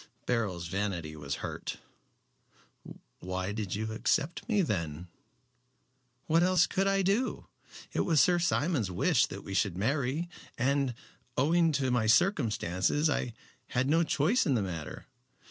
Beryl's vanity was hurt. "Why did you accept me then?" "What else could I do? It was Sir Simon's wish that we should marry, and, owing to my circumstances, I had no choice in the matter.